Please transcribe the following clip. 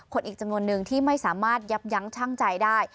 อีกจำนวนนึงที่ไม่สามารถยับยั้งช่างใจได้